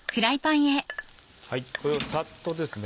これをさっとですね。